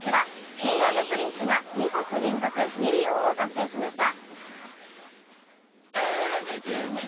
Ｋｉｎｇ＆Ｐｒｉｎｃｅが２作連続ミリオンを達成しました。